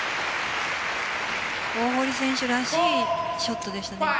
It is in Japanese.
大堀選手らしいショットでしたね。